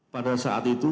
pada saat itu